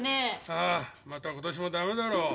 ああまた今年もダメだろ。